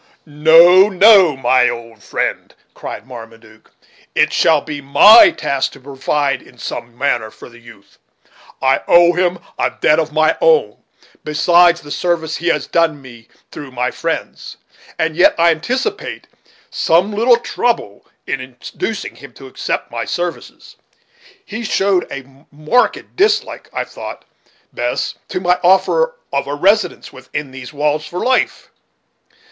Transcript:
"No, no, my old friend," cried Marmaduke, "it shall be my task to provide in some manner for the youth; I owe him a debt of my own, besides the service he has done me through my friends. And yet I anticipate some little trouble in inducing him to accept of my services. He showed a marked dislike, I thought, Bess, to my offer of a residence within these walls for life."